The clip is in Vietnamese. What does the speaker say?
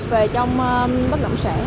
về trong bất động sản